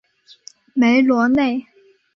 梅罗内。